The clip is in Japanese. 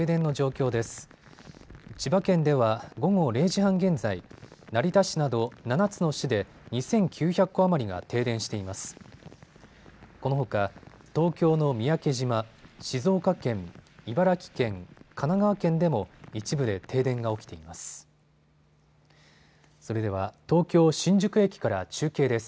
このほか東京の三宅島、静岡県、茨城県、神奈川県でも一部で停電が起きています。